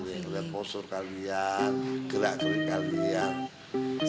gue lihat postur kalian gerak gerik kalian